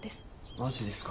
マジですか？